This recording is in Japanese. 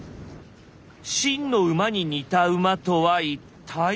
秦の馬に似た馬とは一体。